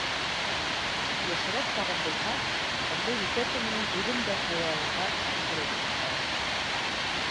Йәшерәк сағым булһа, бындай льгота менән үҙем дә файҙаланырға тырышыр инем, моғайын.